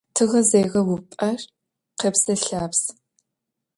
Тыгъэзегъэупӏэр къэбзэ-лъабз.